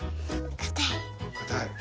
かたい？